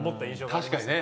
確かにね。